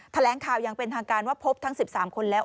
แถลงข่าวอย่างเป็นทางการว่าพบทั้ง๑๓คนแล้ว